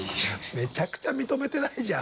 めちゃくちゃ認めてないじゃん。